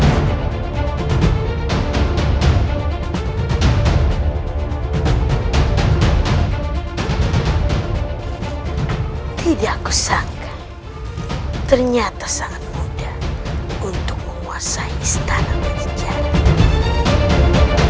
sedangkan ternyata sangat mudah untuk menguasai istana penjajah